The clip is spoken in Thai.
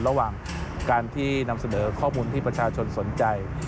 ระหว่างการที่นำเสนอข้อมูลที่ประชาชนสนใจ